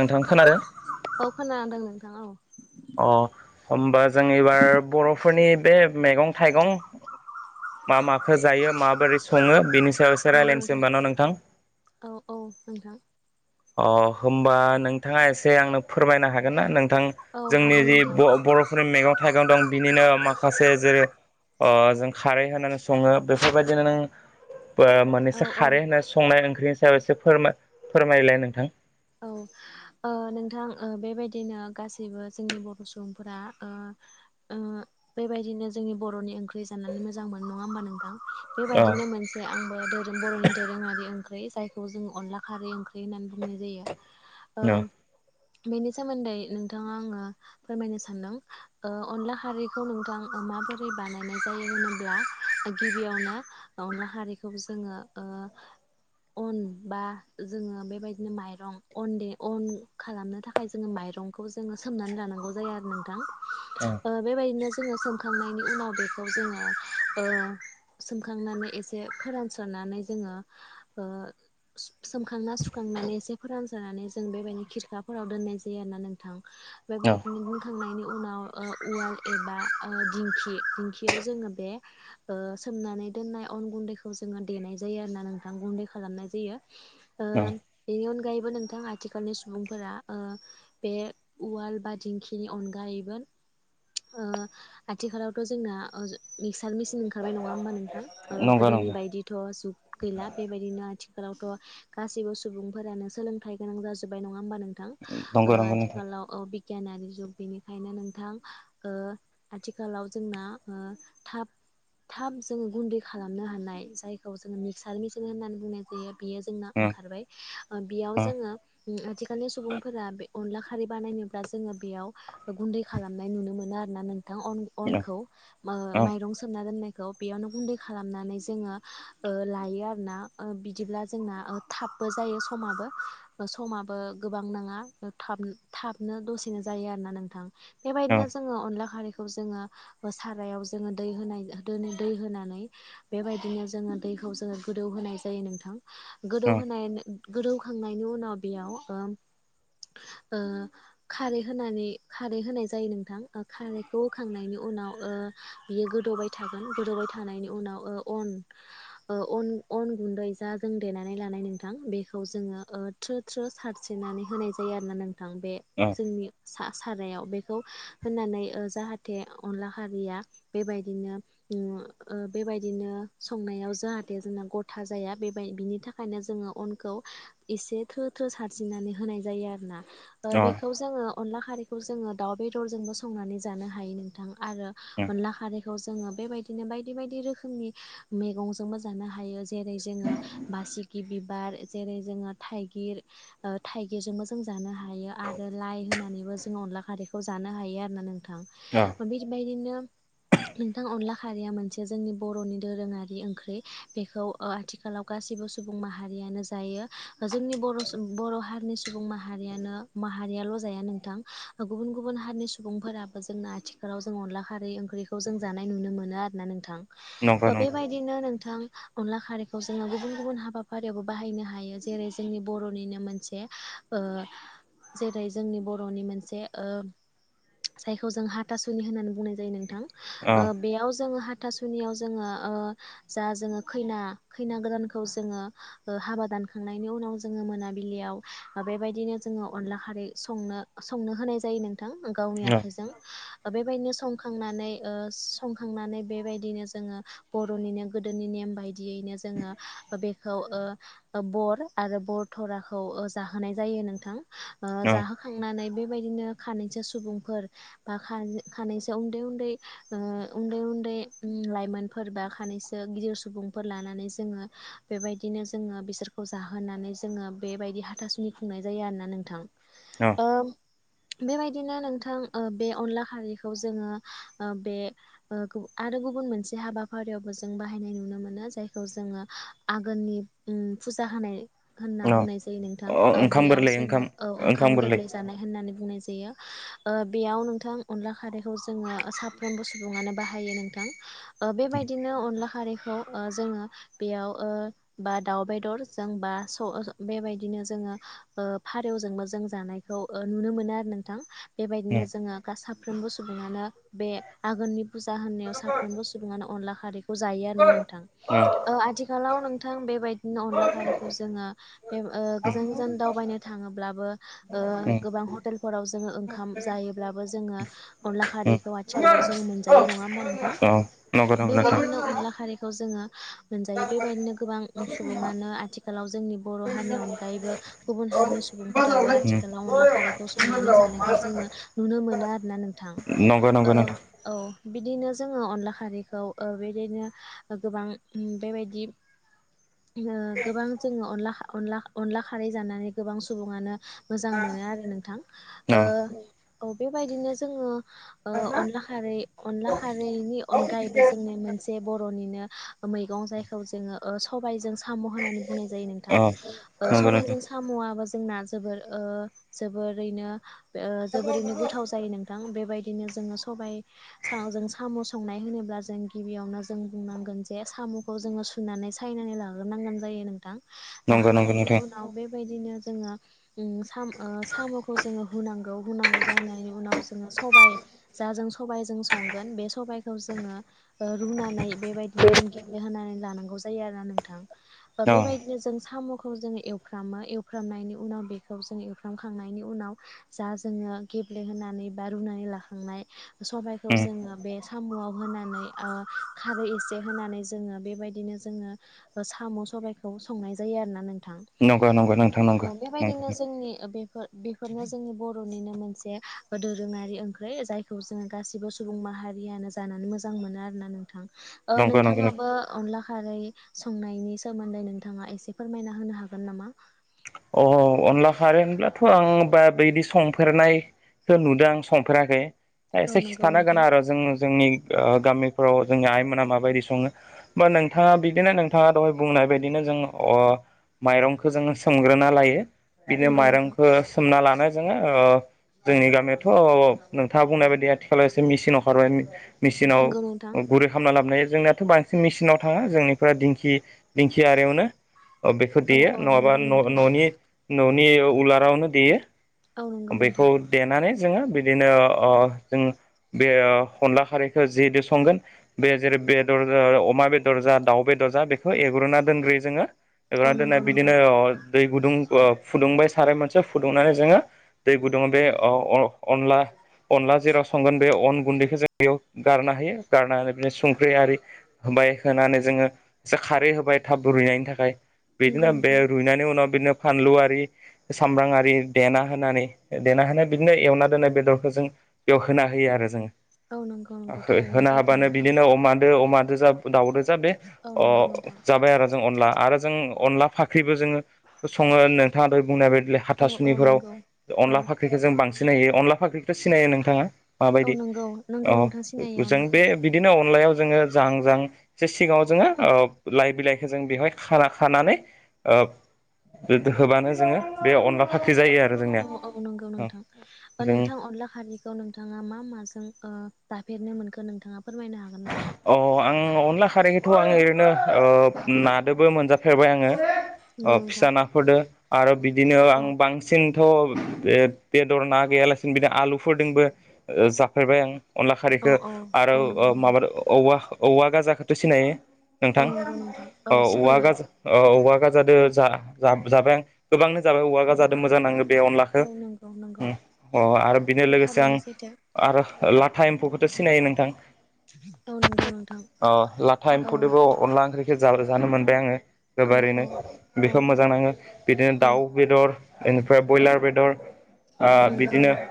नोंथां खोनादों? औ खोनानानै दं नोंथां औ। अ हमबा जों एबार बरफ फोरनि बे मैगं थाइगं मा माखो जायो माबोरै सङो बेनि सायाव एसे नंगौ रायज्लायनोसै नोंथां होमबा न' औ औ नोंथां। अ होमबा नोंथाङा एसे आंनो फोरमायनो हागोन ना नों थां औ जोंनि हागोन जि नोंथां ब-बर'फोरनि मैगं थाइगं दं बिनिनो माखासे जेरै ओ जों खारै होनानै संङो बेफोरबायदिनो नों ओ मोननैसो औ औ खारै होना संनाय ओंख्रिनि सायाव इसे फोरमाय फोरमायलाय नोंथां? औ ओ नोंथां ओ बेबायदिनो गासैबो जोंनि बर' सुबुंफोरा ओ ओ बेबायदिनो जोंनि बर'नि ओंख्रि जानानै मोजां मोनो नङा होमबा नोंथां? अ बेबायदिनो मोनसे आंबो धोरोम बर'नि दोरोंआरि ओंखा ओंख्रै जायखौ जों अनला खारै ओंख्रि होननानै बुंनाय जायो। अ ओ बेनि सोमोन्दै नोंथां आंङो फोरमायनो सानदों ओ अनला खारैखौ नोंथां माबोरै बानायनाय जायो होनोब्ला गिबियावनो अनला खारैखौ जोंङो ओ औ अन बा जोंङो बेबायदिनो माइरं अन दे अन खालामनो थाखाय जोंङो माइरंखौ जोंङो सोमनानै लानांगौ जायो आरो नोंथां। अ बेबायदिनो जोंङो सोमखांनायनि उनाव बेखौ जोंङो सोमखांनानै एसे फोरानसो'नानै। जोंङो ओ सोमखांना सुखांनानै एसे फोरानजानानै जों बेबायदि खिरखाफोराव दोननाय जायो आरोना नोंथां। बेबायदिनोनो थांनायनि उनाव उवाल एबा दिंखि दिंखियाव जोंङो बे सनानै दनाय दोननाय अन गुन्दैखौ जोंङो देनाय जायो आरो ना नोंथां गुन्दै खालामनाय जायो। आ अ बेनि अनगायैबो नों आथिखालनि सुबुंफोरा बे उवाल बा दिंखिनि अनगायैबो आथिखालावथ' जोंना थाल मेसिन ओंखारबाय नंङा होमबा नोंथां नंगौ गोदोनि नंगौ बायदिथ' जुग गैला बेबायदिनो आथिंखाल आवथ' गासिबो सुबुंफोरानो सोलोंथाइ गोनां जाजोबबाय नंङा होमबा नों थां नंगौ नंगौ नोंथां आथिखालाव गियानारि जुग बेनिखायनो नोंथां आथिखालाव जोंना थाब थाब जोंङो गुन्दै खालामनो हानाय जायखौ जोंङो मिक्सार मेचन होननानै बुंनाय जायो। बियो जोंना ओंखारबाय बेयाव अ जोंङो आथिखालनि सुबुंफोरा बे अनला खारै बानायनोब्ला जोंङो बेयाव गुन्दै खालामनाय नुनो मोनो आरो ना नों अ अनखौ अ माइरं सोमना दोननाय खौ बेयावनो गुन्दै खालामनानै जोंङो लायो आरोना बिदिब्ला जोंना थाब बो जायो समाबो समाबो गोबां नांङा थाब थाबनो दसेनो जायो आरो ना नोंथां। औ बेबायदिनो जोंङो अनला खारैखौ जायो सारायाव जोंङो दोनो दै होनानै बेबायदिनो जोंङो दैखौ गोदौ होनाय जायो नोंथां औ गोदौ खांनायनि उनाव बेयाव खारै होनानै खारै होनाय जायो नोंथां खारैखौ होखांनायनि उन उनाव बियो गोदौबाय थागोन गोदौबाय थानायनि उनाव अन अन अन गुन्दै जा जों देनानै लानाय नोंथां बेखौ जोंङो थ्रु थ्रु सारस्रिनानै होनाय जायो आरोना नोंथां बे औ जोंनि सारायाव बेखौ होननानै जाहाथे अनला खारिया बेबायदिनो बेबायदिनो संनायाव जाहाथे जोंना गथा जाया बेबाय बिनि थाखायनो जोंङो अनखौ एसे थो थो सारसिनानै होनाय जायो आरोना औ बेखौ जोंङो अनदला खारैखौ जोंङो दाउ बेदरजोंबो संनानै जानो हायो नोंथां आरो अनला खारैखौ जोंङो बेबायदिनो बायदि बायदि रोखोमनि मैगंजोंबो जानो हायो। जेरै जोंङो बासिगि बिबार जेरै जोंङो थाइग गिर थाइगिरजोंबो जों जानो हायो आरो लाइ होनानै जों अनला खारैखौ जानो हायो आरोना नोंथां बेबायदिनो औ नोंथां अनला खारिया मोनसे जोंनि बर'नि दोरोंङारि ओंख्रि बेखौ आथिखालाव गासिबो सुबुं माहारियानो जायो। जोंनि बर सु बर' हारिनि सुबुं माहारियानो माहारियाल' जाया नोंथां गुबुन-गुबुन हारि नि सुबुंफोराबो जोंना आथिखालाव जों अनदला खारै ओंख्रिखौ जों जानाय नुनो मोनो आरोना नोंथां। नंगौ नंगौ बेबायदिनो नोंथां अनला खारैखौ जोङो गुबुन-गुबुन हाबाफारियावबो बाहायनो हायो जेरै जोंनि बर'निनो मोनसे ओ जेरै जोंनि बर'नि मोनसे ओ जायखौ जों हाथासुनि होननानै बुंनाय जायो नोंथां औ बेयाव जोङो हा थासुनियाव जोङो जा जोङो खैना-खैना गोदानखौ जोङो हाबा दानखांनाय बेनि उनाव जोङो मोनाबिलियाव बेबायदिनो जोङो अनला खारै संनो-संनो होनाय जायो नों थां गावनि औ आखाइजों ओ बेबायदिनो संखांनानै ओ संखांनानै बेबायदिनो जोङो बर'निनो गोदोनि नेम बायदियैनो जोङो बेखौ ओ ओ बर आरो बर धराखौ जाहोनाय जायो नोंथां ओ जाहोखांनानै बे बेबायदिनो खानैसो सुबुंफोर बा खानैसो उन्दै उन्दै ओ उन्दै उन्दै दै लाइमोन बा सानै गिदिर सुबुंफोर लानानै जोंङो बेबायदिनो जोङो बिसोर खौ जाहोनानै जोङो बेबायदि हाथासुनि खुंनाय जायो आरोना नोंथां ओ [inaudible] बेबायदिनो नोंथां ओ बे अनला खारैखौ जोङो बे आरो गुब गुबुन मोनसे हाबाफारियावबो जों बाहायनाय नुनो मोनो जायखौ जोङो आघोननि उम फुजा जा होनाय होनना औ बुंनाय जायो नोंथां ओ ओंखाम बेयाव गोरलै जोङो ओंखाम औ ओंखाम गोरलै जानाय होननानै बुंनाय जायो। बेयाव नोंथां अनला खारैखौ जोङो साफ्रोमबो सुबुङानो बाहायो नोंथां। ओ बेबायदिनो अनला खारैखौ ओ जोङो बेयाव बा दाउ बेदर जों बा स बेबायदिनो जोङो फारौजोंबो जों जानायखौ ओ नुनो मोनो आरो। नोंथां बेबायदिनो उम जोङो गाफ्रोमबो सुबुङानो बे आगोननि फुजा होननायाव साफ्रोमबो सुबुङानो अनला खारैखौ जायो आरो नोंथां उम आथिखालावनों थां बेबायदिनो अनला खारैखौ जोङो बे ओ गोजान गोजानाव दावबायनाय थाङोब्लाबो ओ गोबां हतेल फोराव जों ओंखाम जायोब्लाबो जोङो अनलाखारै उम उम खारैखौ आथिखालाव जों मोनायो नङा होनबा नोंथां औ नंगौ नंगौ नोंथां बेबायदिनो अनला खारैखौ जोङो मोनजायो बेबायदिनो गोबां सुबुङानो आ आथिखालाव जोंनि बर' हारिनि अनगायैबो गुबुन हारिनि सुबुंफोराबो उम आथिखालाव अनला खारै खौ संनानै जानायखौ जोङो नुनो मोनो आरोना नोंथां नंगौ नंगौ नोंथां औ बिदिनो जोङो अनला खारैखौ बेदिनो गोबां बेबायदि गोबां जोङो अनला अनला अनला खारै जानानै गोबां सुबुङानो मोजां मोनो आरो नोंथां औ ओ औ बेबायदिनो जोङो ओ अनला खारै अनला खारैनि अनगायैबो जोंनि मोनसे बर'निनो मैगं जायखौ जोङो सबायजों सा होननानै बुंनाय जायो नोथां औ ओ नंगौ सबाय नोंथां जों सामु आ जोंना जोबोर ओ जोबोरैनो ओ जोबोरैनो गोथाव जायो नोंथां बे बेबायदिनो जोङो सबाय सा जों साम' संनाय होनोब्ला जों गिबियावनो जों बुंनांगोन जे साम'खौ जोङो सुनानै सायनानै लाग्रोनांगो जायो नोंथां नंगौ नंगौ जाखांनायनि नोंथां उनाव बेबायदिनो जोङो साम ओ साम'खौ जोङो होनांगौ हुनांगौ जानायनि उनाव जोङो सबाय जा जों सब जों संगोन बे सबाय खौ जोङो ओ रुनानै बेबायदिनो जों गेब्लेहोनानै लानांगौ जायो आरोना नोंथां। ओ औ बेबायदिनो जों साम' खौ जों एवफ्रामो एवफ्रामनायनि उनाव बेखौ जों एवफ्रामखांनायनि उनाव जा जोङो गेब्लेहोनै बा रुनानै लाखांनाय सबायखौ उम जोङो बे साम'आव होनानै ओ खारै एसे होनानै जोङो बेबायदिनो जोङो साम' सबायखौ संनाय जायो आरोना नोंथां नंगौ नंगौ नोंथां औ नंगौ नंगौ बेबायदिनो जोंनि बेफोर बेफोरनो जोंनि बर'निनो मोनसे दोरोङारि ओंख्रि जायखौ जोङो गासिबो सुबुं माहारि रियानो जानानै मोजां मोनो आरोना नों थां ओ नंगौ नंगौ नोंथां नोंथाङाबो अनला खारै संनायनि सोमोन्दै नोंथाङा एसे फोरमायना होनो हागोन नामा? अ अनला खारै होनब्ला थ' आं बा बेदि संफेरनायखौ नुदों आं संफेराखै। औ एसे नंगौ खिथानोगोन नोंथां आरो जों जोंनि ओ गामिफोराव जोंनि आइमोना माबायदि संङो बा नोंथाङा बिदिनो नोंथाङा दहाय बुंनाय बुंनाय बायदिनो जों आ माइरंखौ जोङो सोमग्रोना लायो। बिदिनो नंगौ नोंथां माइरंखौ सोमना लानाय जोङो ओ जोंनि गामियाथ' नोंथाङा बुंनाय बायदि आथिखालाव एसे मेसिन अखारबाय मेसिनाव नंगौ नोंथां गुरै खालामना लाबोनाय जोंनियाथ' बांसिन मेसिनाव थांङा जोंनिफ्राय दिंखि दिंखि आरियावनो ओ बेखौ औ देयो औ नङा बा नंगौ न' नोंथां न'नि न'नि उ उलारावनो देयो। औ नंगौ ओमफाय बेखौ नोंथां देनानै जोंङो बिदिनो ओ जों बे अनला खारैखौ जिजों संगोन बे जेरै बेदर जा अमा बेदर जा दाउ बेदर जा बेखौ एग्रोना दोनग्रोयो जोङो। औ एवना दोनाय नंगौ बिदिनो नोंथां अ दै गुदुं ओ फुदुंबाय साराय मोनसे फुदुंनानै जोङो दै गुदुङ बे ओ अ अ अनला अनला जेराव संगोन बे अन गुन्दैखौ जों बेयाव गारनो होयो। गारना बिदिनो संख्रि आरि बाय होनानै जोङो एसे खारै होबाय थाब रुैनायनि थाखाय। नंगौ बिदिनो बे नोंथां रुइनानै उनाव बिदिनो फानलु आरि सामब्रांआरि देना होनानै देना होनाय बिदिनो एवना दोननाय बेदरखौ जों बेयाव होना होयो आरो जोङो। औ नंगौ नंगौ हो थारैनो होना सैथो हाबानो नोंथां बिदिनो अमादो अमादो जा दाउदो जा अ बे औ नंगौ नोंथां जाबाय आरो जों अनला आरो जों अनला फा ख्रिबो जोङो संङो नोंथाङा दाहाय बुंनाय बायदि औ औ हाथासुनिफोराव नंगौ औ अनला फाख्रिखौ जों बांसि सिनै। अनला फाख्रिथ' सिनायो नोंथाङा? औ माबायदि नंगौ नंगौ अ नोंथां सिनायो जों अनला बे बिदिनो अनलायाव जोङो जां जां एसे सिंगाङाव ओ जोङो लाइ बिलाइखौ जों बेवहाय खाना खानानै ओ हो होबानो जोङो बे अनला फाख्रि जायो आरो जोंनिया औ औ नंगौ नोंथां। जों नोंथां, अनला खारिखौ नोंथाङा मा माजों ओ जाफेरनो मोनखो नोंथाङा फोरमायनो हागोन नामा? [inaudible] अ आं अनला खारैखथ' आङो ओरैनो ओ नादोबो मोनजाफेरबाय आङो। अ नंगौ फिसा नोंथां। नाफोरदो आरो बिदिनो आं औ बांसिन थ' ओ बेदर ना गैयालासिनो बिदिनो आलुफोरजोंबो ओ जाफेरबाय आं। अनला औ खारिखौ औ औ आरो नंगौ माबा नोंथां औ औवा गाजाखौथ' सिनायो। नोंथां? औ नंगौ नोंथां औ औवा सिनायो गाजा औ औवा गाजादो जा जा जाबाय आं। गोबांनो जाबाय औवागाजादों मोजां नाङो बे अनलाखो। औ नंगौ नंगौ। उम अ आरो बेनो लोगोसे आं थारैनो सैथो। आरो लाथा एम्फौखौथ' सिनायो नोंथां? औ नंगौ नोंथां अ लाथा औ एम्फौदबो अनला ओंख्रिखौ जा जानो मोनबाय आङो। औ गोबारैनो औ औ बेखौ मोजां नाङो, बिदिनो औ दाउ बेदर इनिफ्राय ब्रयलार बेदर ओ नंगौ बिदिनो नंगौ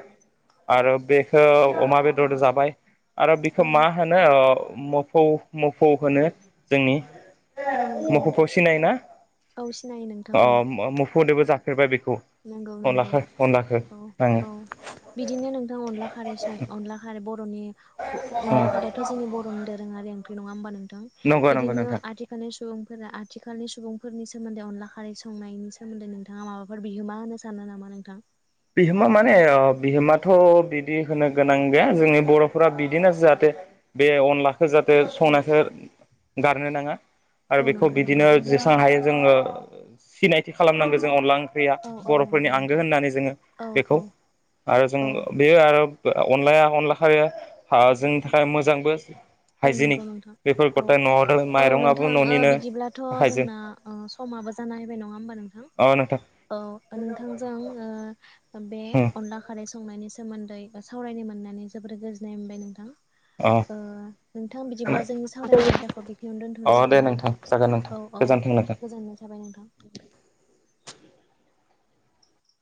आरो बेखौ अमा बेदर जाबाय आरो बेखौ औ मा होनो मफौ मोफौ होनो जोंनि औ नंगौ नोंथां मुफौखौव सिनायो ना? औ सिनायो नोंथां अ औ मुफौदोबो जाफेरबाय बे नंगौ नंगौ। औ औ बिदिनो नोंथां अनला खारै सं अनला खारै बर' बर'नि अ अनला आङो खारैयाथ' जोंनि बर'नि दोरोआरि ओंख्रि नङा होमबा नों थां? नंगौ नंगौ बिदिनो नोंथां आथिखालनि सुबुंफोरा आ थिखालनि सुबुंफोरनि सोमोन्दै अनला खारै संनायनि सोमोनदै नोंथाङा माबाफोर बिहोमा होनो सानो नामा नोंथां? बिहोमा माने अ' बिहोमाथ' बिदि होनो गोनां गैया जोंनि बर'फोरा बिदिनो जाहाथे बे अनलाखो जाहाथे संनायखो गारनो नाङा आरो औ बेखौ नंगौ नंगौ बिदिनो जेसां हायो जोङो सिनायथि खालामनांगो जों अनला ओं ख्रैया औ औ बर'फोरनि नंगौ आंगो नोंथां होननानै जोङो औ बेखौ औ आरो जों औ बेयो आरो आ अनलाया अनला खारिया हा जोंनि थाखाय मोजांबो। औ हाइजेनिक नंगौ नोंथां बेफोर औ गथाय न'आव औ माइरंआबो नोंथां ओ न'निनो बिदिब्लाथ' हाइजें जोंना अ सम माबा जाना फैबाय नङा होमबा नोंथां? अ नोंथां औ नोंथांजों ओ बे अनला खारै संनायनि सोमोन्दै बा सावरायनो मोननानै जोबोर गोजोननाय मोनबाय नोंथां। अ ओ नोंथां बिदिब्ला जोंनि सावरायनाय आयदाखौ बेखिनियावनो अ दोन्थ'नोसै दे नामा? नोंथां जागोन नोंथां औ औ गोजोन्थों नोंथां गोजोननाय थाबाय नोंथां। [inaudible]